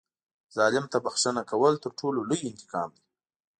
ظالم ته بښنه کول تر ټولو لوی انتقام دی.